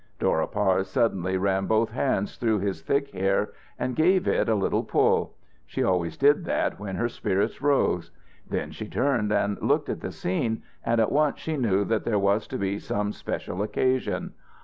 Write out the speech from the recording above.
Dora Parse suddenly ran both hands through his thick hair and gave it a little pull. She always did that when her spirits rose. Then she turned and looked at the scene, and at once she knew that there was to be some special occasion.